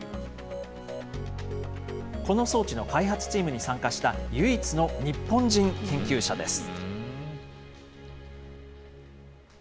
この装置の開発チームに参加した唯一の日本人研究者です。